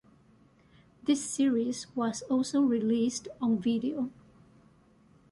This series was also released on video.